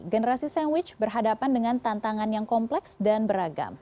generasi sandwich berhadapan dengan tantangan yang kompleks dan beragam